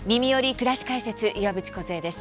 くらし解説」岩渕梢です。